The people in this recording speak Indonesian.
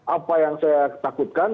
apa yang saya takutkan